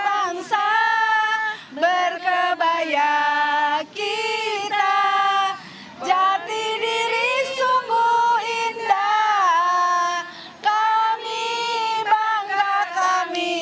bangsa berkebaya kita jati diri sungguh indah kami bangga kami